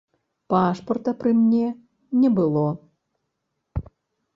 Пашпарта пры мне не было.